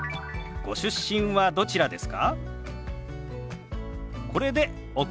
ご出身はどちらですか？